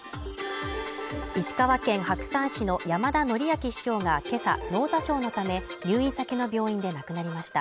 石川県白山市の山田憲昭市長が今朝、脳挫傷のため入院先の病院で亡くなりました。